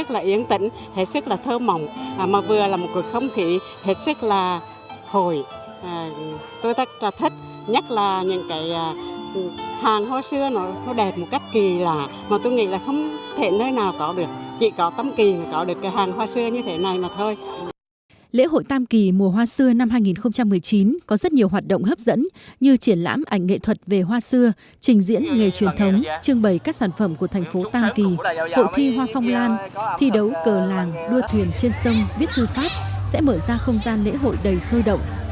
lễ hội tam kỳ mùa hoa xưa năm hai nghìn một mươi chín có rất nhiều hoạt động hấp dẫn như triển lãm ảnh nghệ thuật về hoa xưa trình diễn nghề truyền thống trưng bày các sản phẩm của thành phố tam kỳ hội thi hoa phong lan thi đấu cờ làng đua thuyền trên sông viết thư pháp sẽ mở ra không gian lễ hội đầy sôi động